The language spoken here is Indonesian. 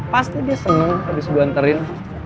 pasti dia seneng abis gue anterin